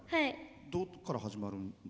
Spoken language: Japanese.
どこから始まる？